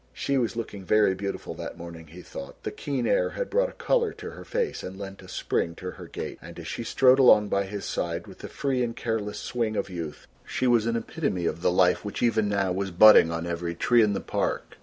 She was looking very beautiful that morning, he thought. The keen air had brought a colour to her face and lent a spring to her gait, and, as she strode along by his side with the free and careless swing of youth, she was an epitome of the life which even now was budding on every tree in the park.